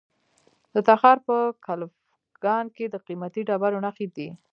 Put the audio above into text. د تخار په کلفګان کې د قیمتي ډبرو نښې دي.